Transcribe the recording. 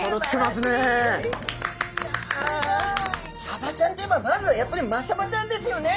サバちゃんといえばまずはやっぱりマサバちゃんですよね。